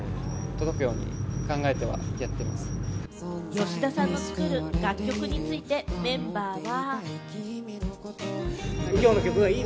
吉田さんの作る楽曲についてメンバーは。